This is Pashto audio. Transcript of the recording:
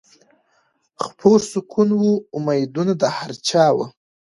خپور سکون و امیدونه د هر چا وه